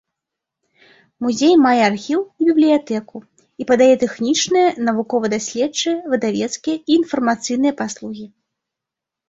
Музей мае архіў і бібліятэку і падае тэхнічныя, навукова-даследчыя, выдавецкія і інфармацыйныя паслугі.